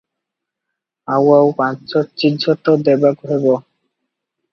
ଆଉ ଆଉ ପାଞ୍ଚ ଚିଜ ତ ଦେବାକୁ ହେବ ।